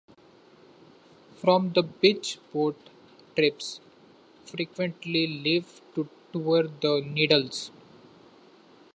From the beach boat trips frequently leave to tour the Needles.